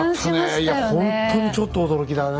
いやほんとにちょっと驚きだね。